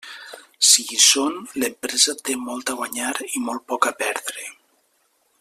Si hi són, l'empresa té molt a guanyar i molt poc a perdre.